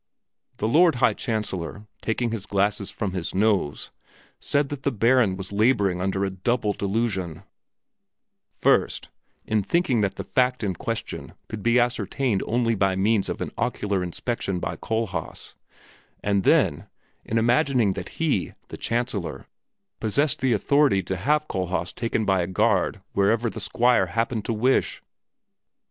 The Lord High Chancellor, taking his glasses from his nose, said that the Baron was laboring under a double delusion first, in thinking that the fact in question could be ascertained only by means of an ocular inspection by Kohlhaas, and then, in imagining that he, the Chancellor, possessed the authority to have Kohlhaas taken by a guard wherever the Squire happened to wish.